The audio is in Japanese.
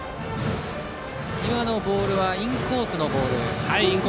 今のボールはインコースのボール。